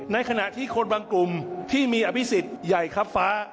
ในขณะที่คนบางกลุ่มที่มีอภิษฎใหญ่ครับฟ้า